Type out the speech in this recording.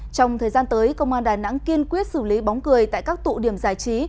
trong thời gian tới công an đà nẵng kiên quyết xử lý bóng cười tại các tụ điểm giải trí